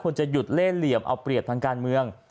คุณจะหยุดเล่เหลี่ยมเอาเปรียบทางการเมือง